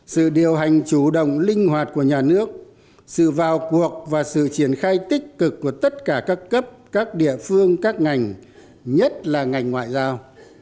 sự điều hành chủ động linh hoạt của nhà nước sự vào cuộc và sự triển khai tích cực của tất cả các cấp các địa phương các ngành nhất là ngành ngoại giao